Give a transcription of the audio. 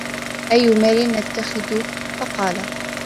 أَيُّ مَالٍ نَتَّخِذُ ؟ فَقَالَ